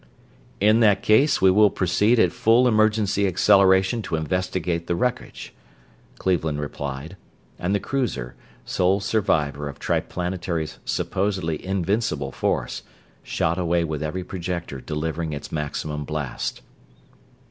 "In that case we will proceed at full emergency acceleration to investigate the wreckage," Cleveland replied, and the cruiser sole survivor of Triplanetary's supposedly invincible force shot away with every projector delivering its maximum blast.